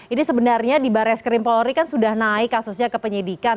ini sebenarnya di barres krim polri kan sudah naik kasusnya ke penyidikan